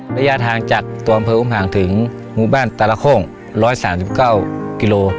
ระยะทางจากตัวเมืองอุ้มห่างถึงหมู่บ้านตลาโค้งร้อยสามสิบเก้ากิโล